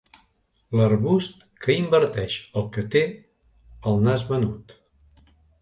L'arbust que inverteix el que té el nas menut.